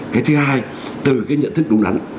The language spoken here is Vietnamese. cái thứ hai từ cái nhận thức đúng lắm